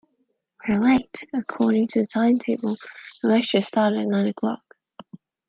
We're late! According to the timetable, the lecture started at nine o'clock